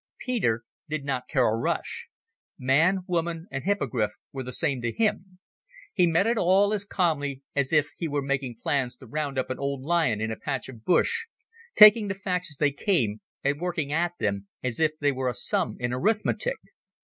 Peter did not care a rush: man, woman, and hippogriff were the same to him; he met it all as calmly as if he were making plans to round up an old lion in a patch of bush, taking the facts as they came and working at them as if they were a sum in arithmetic.